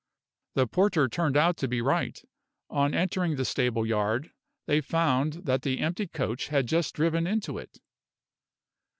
The porter turned out to be right. On entering the stable yard, they found that the empty coach had just driven into it.